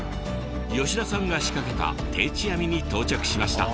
吉田さんが仕掛けた定置網に到着しました。